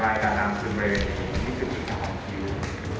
ปลายกลางดำคือบริเวณนี้ที่จุดอีกของคิ้ว